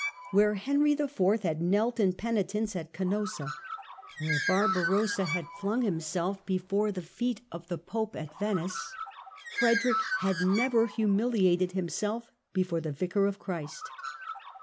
Where Henry IV had knelt in penitence at Canossa, where Barbarossa had flung himself before the feet of the Pope at Venice, Frederick had never humili ated himself before the Vicar of Christ.